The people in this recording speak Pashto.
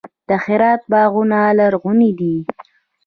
د هرات باغونه لرغوني دي.